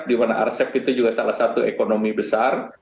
di mana rcep itu juga salah satu ekonomi besar